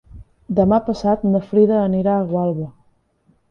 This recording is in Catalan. Demà passat na Frida anirà a Gualba.